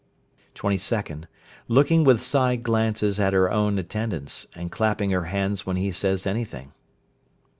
22nd. Looking with side glances at her own attendants, and clapping her hands when he says anything.